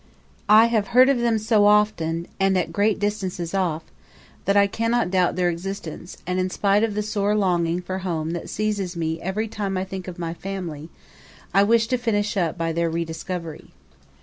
I have heard of them so often, and at great distances off, that I cannot doubt their existence, and in spite of the sore longing for home that seizes me every time I think of my family, I wish to finish up by their rediscovery.